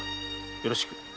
よろしく。